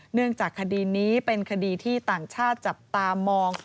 เนื่องจากคดีนี้เป็นคดีที่ต่างชาติจับตามอง